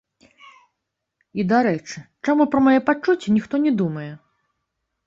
І, дарэчы, чаму пра мае пачуцці ніхто не думае?